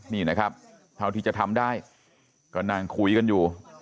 นี่นะครับเท่าที่จะทำได้ก็นั่งคุยกันอยู่